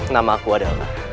nama aku adalah